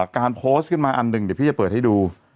การโพสต์ขึ้นมาอันหนึ่งเดี๋ยวพี่จะเปิดให้ดู